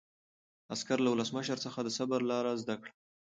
عسکر له ولسمشر څخه د صبر لاره زده کړه.